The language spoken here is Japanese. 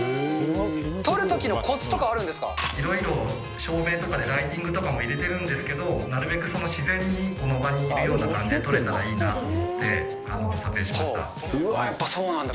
撮るときのこつとかあるんでいろいろ照明とかでライティングとかも入れてるんですけど、なるべく自然にこの場にいるような感じで撮れたらいいなと思って、やっぱそうなんだ。